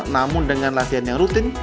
namun dengan latihan yang rutin